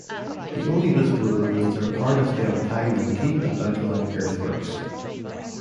The only visible remains are part of the octagonal keep and outlying earthworks.